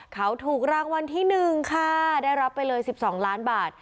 เขาถูกรางวัลที่๑ค่ะได้รับไปเลย๑๒ล้านบาท